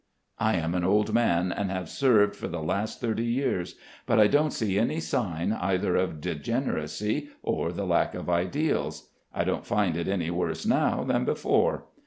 I am an old man, and have served for the last thirty years; but I don't see any sign either of degeneracy or the lack of ideals. I don't find it any worse now than before.